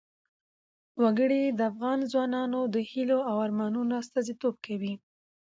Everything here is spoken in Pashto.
وګړي د افغان ځوانانو د هیلو او ارمانونو استازیتوب کوي.